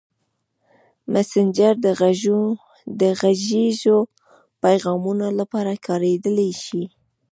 مسېنجر د غږیزو پیغامونو لپاره کارېدلی شي.